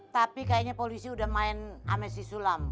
tapi kayaknya polisi udah main sama si sulam